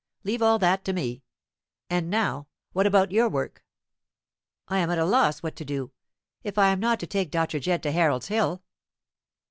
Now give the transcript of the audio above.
Leave all that to me. And now, what about your work?" "I am at a loss what to do, if I am not to take Dr. Jedd to Harold's Hill."